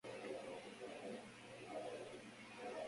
He left the promotion before the end of the year.